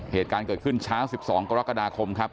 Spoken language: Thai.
เหตุการณ์เกิดขึ้นเช้า๑๒กรกฎาคมครับ